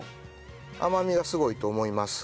甘みがすごいと思います。